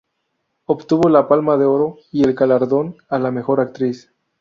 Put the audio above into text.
Obtuvo la Palma de Oro y el galardón a la mejor actriz.